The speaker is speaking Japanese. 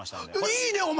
いいねお前。